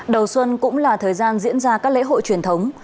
đầu xuân cũng là thời gian diễn ra các lễ hội truyền thống